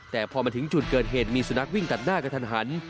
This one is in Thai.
แต่พอมาถึงจุดเกิดเหตุมีสุนัขวิ่งตัดหน้ากระทันหัน